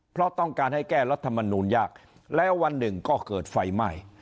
เพราะต้องการให้แก้รัฐมนูลยากแล้ววันหนึ่งก็เกิดไฟไหม้